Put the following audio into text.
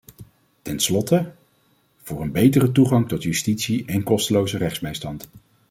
Tenslotte, (...) voor een betere toegang tot justitie en kosteloze rechtsbijstand.